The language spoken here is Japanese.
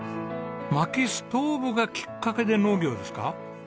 薪ストーブがきっかけで農業ですか？